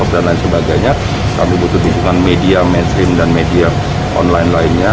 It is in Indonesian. dan lain sebagainya kami butuh dihitungan media mainstream dan media online lainnya